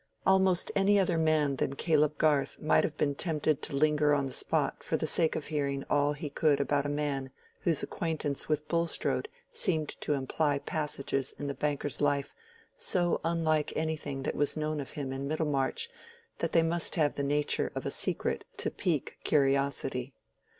Almost any other man than Caleb Garth might have been tempted to linger on the spot for the sake of hearing all he could about a man whose acquaintance with Bulstrode seemed to imply passages in the banker's life so unlike anything that was known of him in Middlemarch that they must have the nature of a secret to pique curiosity.